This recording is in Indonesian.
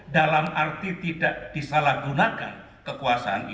dalam arti tidak disalahgunakan kekuasaan itu